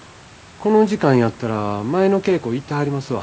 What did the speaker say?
この時間やったら舞の稽古行ってはりますわ。